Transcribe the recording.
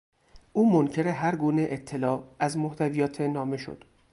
او منکر هر گونه اطلاع از محتویات نامه شد.